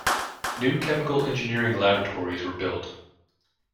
New Chemical Engineering Laboratories were built.